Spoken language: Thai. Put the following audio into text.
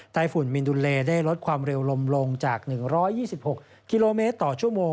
ฝุ่นมินดุลเลได้ลดความเร็วลมลงจาก๑๒๖กิโลเมตรต่อชั่วโมง